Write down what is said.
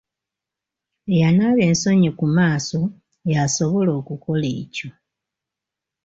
Eyanaaba ensonyi ku maaso y'asobola okukola ekyo.